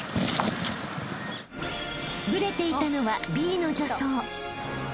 ［ブレていたのはＢの助走］